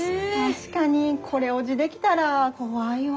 確かにこれ落ぢできたら怖いわ。